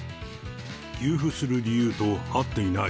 給付する理由と合っていない。